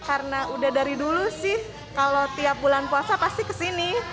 karena udah dari dulu sih kalau tiap bulan puasa pasti kesini